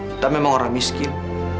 kita memang orang miskin